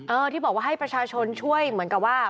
ที่บอกว่าให้ประชาชนช่วยเหมือนกับว่า